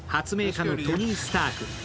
家のトニー・スターク。